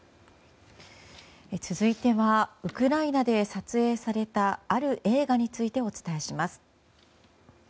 続いてはウクライナで撮影されたある映画についてお伝えします。